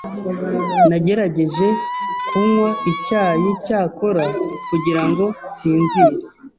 Nagerageje kunywa icyayi cyakora kugirango nsinzire ...